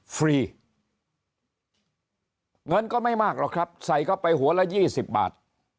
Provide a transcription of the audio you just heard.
ฟรีเงินก็ไม่มากหรอกครับใส่เข้าไปหัวละ๒๐บาท